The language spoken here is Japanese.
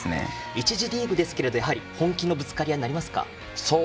１次リーグですが、本気のぶつかり合いになりますか？